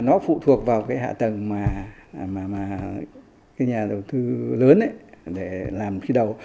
nó phụ thuộc vào cái hạ tầng mà nhà đầu tư lớn để làm khi đầu